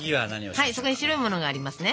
はいそこに白いものがありますね。